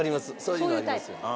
そういうのありますよね。